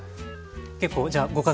結構じゃあご家族も。